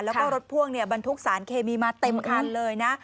แล้วก็รถพ่วงบรรทุกสารเคมีมาเต็มคันเลยนะ